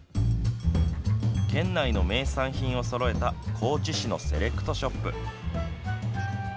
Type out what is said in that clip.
県内の名産品をそろえた高知市のセレクトショップ。